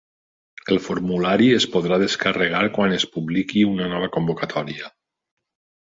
El formulari es podrà descarregar quan es publiqui una nova convocatòria.